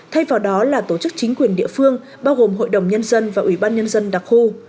thay vào đó là tổ chức chính quyền địa phương bao gồm hội đồng nhân dân và ủy ban nhân dân đặc khu